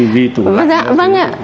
vì vi tủ lạnh